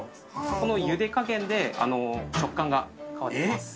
このゆで加減で食感が変わってきます。